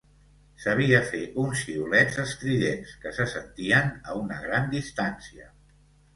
Sabia fer uns xiulets estridents, que se sentien a una gran distància.